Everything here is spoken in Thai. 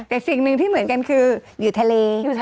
แต่สิ่งหนึ่งที่เหมือนกันคืออยู่ทะเล